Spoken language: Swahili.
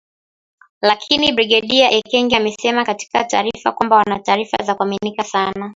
Lakini Brigedia Ekenge amesema katika taarifa kwamba wana taarifa za kuaminika sana